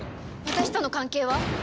私との関係は？